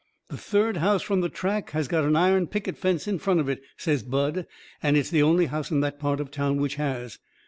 "The third house from the track has got an iron picket fence in front of it," says Bud, "and it's the only house in that part of town which has.